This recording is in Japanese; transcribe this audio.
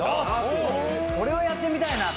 これをやってみたいなと。